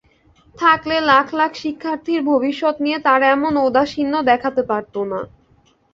থাকলে লাখ লাখ শিক্ষার্থীর ভবিষ্যৎ নিয়ে তারা এমন ঔদাসীন্য দেখাতে পারত না।